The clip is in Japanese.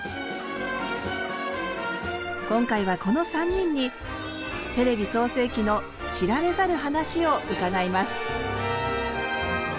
今回はこの３人にテレビ創成期の知られざる話を伺います。